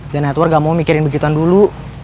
dan etwar nggak mau mikirin begituan dulu